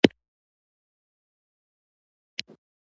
هره ورځ خپلو ملګرو سره وینم